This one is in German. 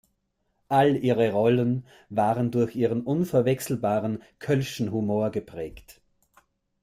All ihre Rollen waren durch ihren unverwechselbaren kölschen Humor geprägt.